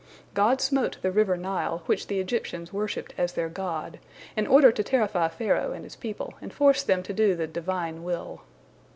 God smote the river Nile, which the Egyptians worshipped as their god, in order to terrify Pharaoh and his people and force them to do the Divine will.